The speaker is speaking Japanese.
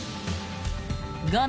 画面